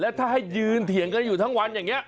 ถ้าให้ยืนเถียงกันอยู่ทั้งวันอย่างนี้